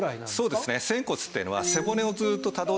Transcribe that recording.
そうですね。